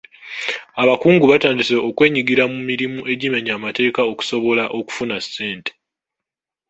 Abakungu batandise okwenyigira mu mirimu egimenya amateeka okusobola okufuna ssente.